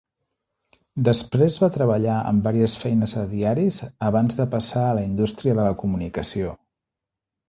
Després va treballar en vàries feines a diaris abans de passar a la indústria de la comunicació.